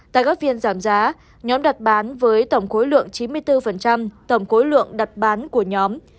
tại góp viên giảm giá nhóm đặt bán với tổng khối lượng chín mươi bốn tổng khối lượng đặt bán của nhóm